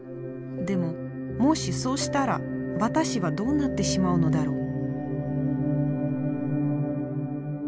でももしそうしたら私はどうなってしまうのだろう。